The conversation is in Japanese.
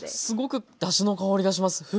すごくだしの香りがします。